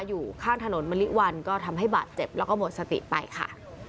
อยู่ข้างถนนมะลิวันก็ทำให้บาดเจ็บแล้วก็หมดสติไปค่ะ